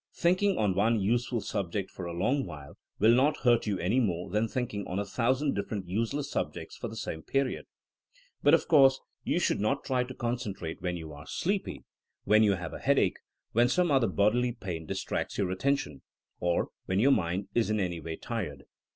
Thinking on one useful subject for a long while will not hurt you any more than thinking on a thousand different useless subjects for the same period. But of course you should not try to concentrate when you are sleepy, when you THINEINO AS A 80IEN0E 95 have a headache, when some other bodily pain distracts your attention, or when your mind is in any way tired.